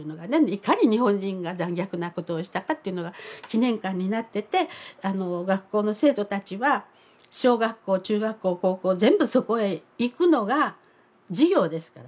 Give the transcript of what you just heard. いかに日本人が残虐なことをしたかというのが記念館になってて学校の生徒たちは小学校中学校高校全部そこへ行くのが授業ですからね。